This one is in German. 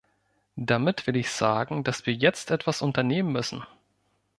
Damit will ich sagen, dass wir jetzt etwas unternehmen müssen.